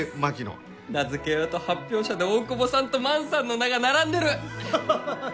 名付け親と発表者で大窪さんと万さんの名が並んでる！